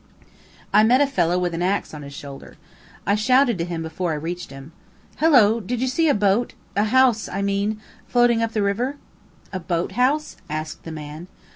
I met a fellow with an axe on his shoulder. I shouted to him before I reached him: "Hello! did you see a boat a house, I mean, floating up the river?" "A boat house?" asked the man.